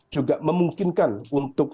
juga memungkinkan untuk